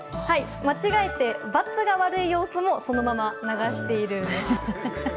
間違えて、ばつが悪い様子もそのまま流しているんです。